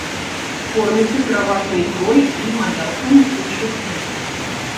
Корміцца пераважна ікрой і маляўкамі іншых рыб.